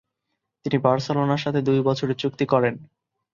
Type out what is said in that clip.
তিনি বার্সেলোনার সাথে দুই বছরের চুক্তি করেন।